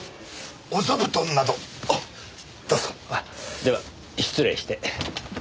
では失礼して。